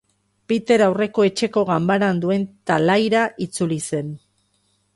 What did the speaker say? Peter aurreko etxeko ganbaran duen talaiara itzuli zen.